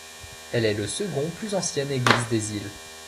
Elle est le seconde plus ancienne église des îles.